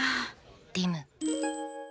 リム。